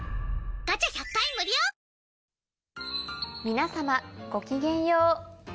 皆様ごきげんよう。